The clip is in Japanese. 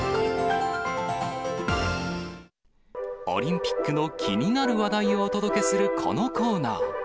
オリンピックの気になる話題をお届けするこのコーナー。